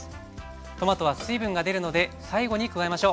トマトは水分が出るので最後に加えましょう。